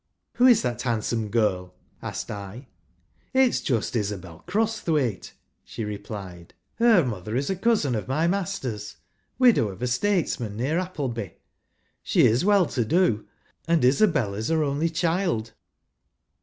" Who is that handsome girl ?" asked I, " It's just Isabel Crosthwaite," she re¬ plied. " Her mother is a cousin of my master's, widow of a statesman near Appleby. She is well to do, and Isabel is lier only child."